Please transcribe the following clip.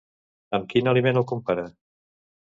Amb quin aliment el compara?